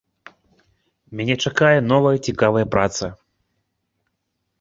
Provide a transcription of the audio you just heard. Мяне чакае новая цікавая праца.